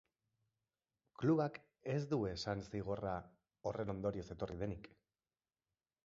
Klubak ez du esan zigorra horren ondorioz etorri denik.